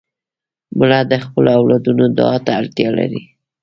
مړه د خپلو اولادونو دعا ته اړتیا لري